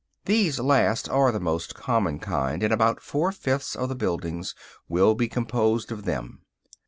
These last are the most common kind, and about four fifths of the buildings will be composed of them.